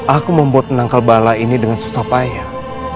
aku membuat nangkal bala ini dengan susah payah